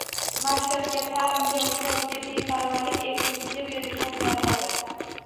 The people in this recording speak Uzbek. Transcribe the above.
Maktabga, taʼlimga, ustozga beparvolik erkimizga berilgan zarbadir.